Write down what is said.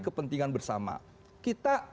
kepentingan bersama kita